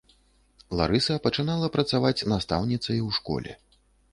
Ларыса пачынала працаваць настаўніцай у школе.